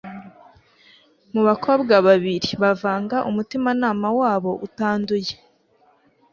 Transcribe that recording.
mu bakobwa babiri bavanga umutimanama wabo utanduye